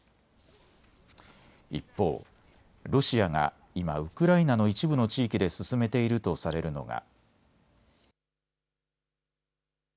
一方、ロシアが今、ウクライナの一部の地域で進めているとされるのが。